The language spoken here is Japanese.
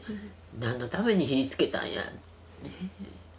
なんのために火つけたんや。